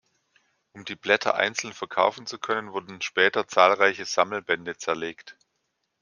Um die Blätter einzeln verkaufen zu können, wurden später zahlreiche Sammelbände zerlegt.